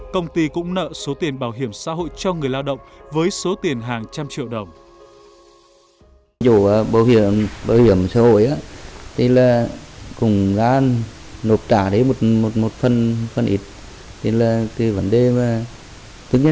công ty cũng nợ số tiền bảo hiểm xã hội cho người lao động với số tiền hàng trăm triệu đồng